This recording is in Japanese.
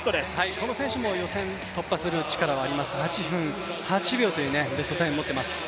この選手も予選突破する力があります、８分８秒というベストタイムを持っています。